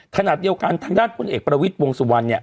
ขณะเดียวกันทางด้านพลเอกประวิทย์วงสุวรรณเนี่ย